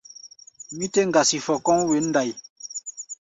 Mí tɛ́ ŋgasi fɔ kɔ́ʼm wěn ndai.